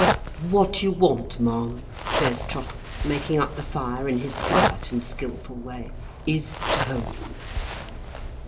"What you want, ma'am," says Trottle, making up the fire in his quiet and skilful way, "is Tone."